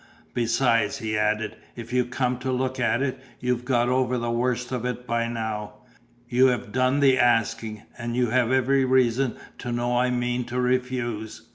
Besides," he added, "if you come to look at it, you've got over the worst of it by now: you have done the asking, and you have every reason to know I mean to refuse.